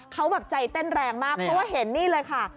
เขาแบบใจเต้นแรงมากเพราะว่าเห็นนี่เลยค่ะ